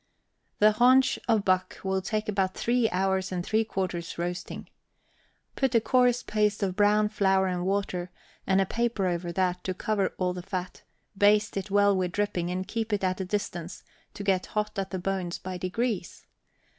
The haunch of buck will take about three hours and three quarters roasting. Put a coarse paste of brown flour and water, and a paper over that, to cover all the fat; baste it well with dripping, and keep it at a distance, to get hot at the bones by degrees.